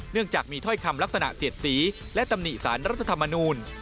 จากมีถ้อยคำลักษณะเสียดสีและตำหนิสารรัฐธรรมนูล